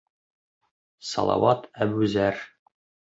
Салауат ӘБҮЗӘР